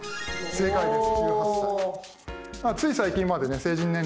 正解です。